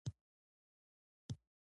د ښوونځي مدیر ټولګي ته لاړ.